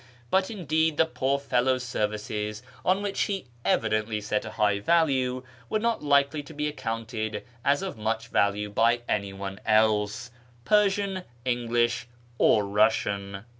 But, indeed, the poor fellow's services, on which he evidently set a high value, were not likely to Ijb accounted as of much value by any one else — Persian, English, or Eussian.